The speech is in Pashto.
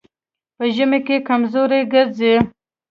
په ژمي کې کمزوری ګرځي.